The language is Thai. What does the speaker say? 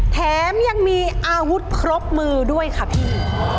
แถมยังมีอาวุธครบมือด้วยค่ะพี่